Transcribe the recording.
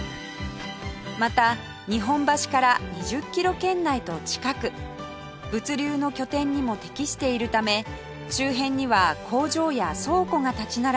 また日本橋から２０キロ圏内と近く物流の拠点にも適しているため周辺には工場や倉庫が立ち並び